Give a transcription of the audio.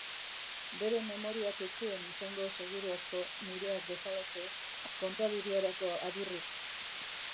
Bere memoriak ez zuen izango seguru asko, nireak bezalaxe, kontaduriarako adurrik.